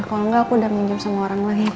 kalau enggak aku udah minjem sama orang lain